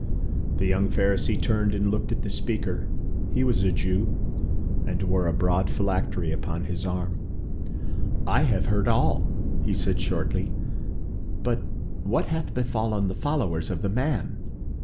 The young Pharisee turned and looked at the speaker. He was a Jew, and wore a broad phylactery upon his arm. "I have heard all," he said shortly. "But what hath befallen the followers of the man?